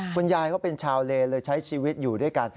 คุณยายเขาเป็นชาวเลเลยใช้ชีวิตอยู่ด้วยกัน